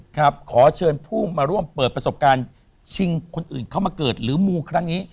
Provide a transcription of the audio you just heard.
ขอเชิญผู้มาร่วมเปิดประสบการณ์ชิงคนอื่นเข้ามาเกิดหรือมูครั้งนี้